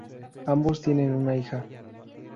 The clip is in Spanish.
Ambos tienen una hija.